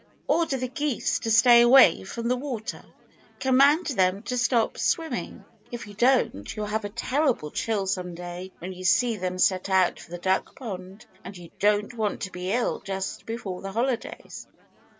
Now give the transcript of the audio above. "Order the geese to stay away from the water. Command them to stop swimming. If you don't, you'll have a terrible chill some day when you see them set out for the duck pond. And you don't want to be ill just before the holidays."